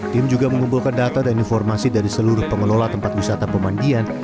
tim juga mengumpulkan data dan informasi dari seluruh pengelola tempat wisata pemandian